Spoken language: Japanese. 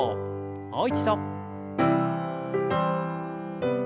もう一度。